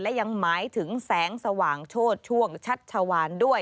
และยังหมายถึงแสงสว่างโชดช่วงชัดชาวานด้วย